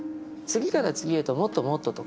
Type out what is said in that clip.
次から次へともっともっととかですね